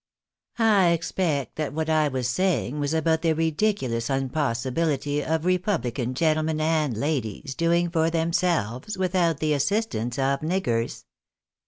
" I expect that what I was saying was about the ridiculous un possibility of republican gentlemen and ladies doing for themselves without the assistance of niggers.